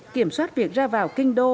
kiểm soát việc ra vào kinh đô